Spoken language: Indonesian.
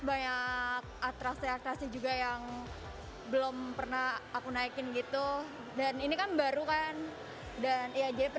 banyak atraksi atraksi juga yang belum pernah aku naikin gitu dan ini kan baru kan dan iajp